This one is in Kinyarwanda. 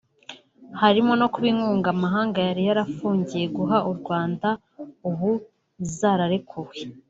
harimo no kuba inkunga amahanga yari yarafungiye guha u Rwanda ubu zararekuwe